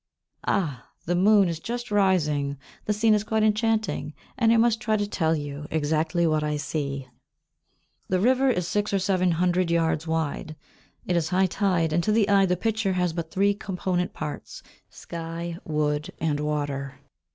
Ah! The moon is just rising; the scene is quite enchanting, and I must try to tell you exactly what I see. The river is six or seven hundred yards wide. It is high tide, and, to the eye, the picture has but three component parts sky, wood, and water.